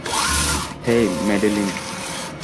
হেই, Madeline?